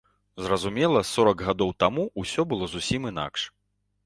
Зразумела, сорак гадоў таму ўсё было зусім інакш.